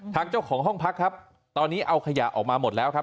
ทางเจ้าของห้องพักครับตอนนี้เอาขยะออกมาหมดแล้วครับ